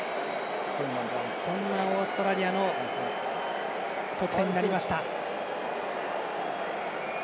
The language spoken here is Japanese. そんなオーストラリアの得点になりました。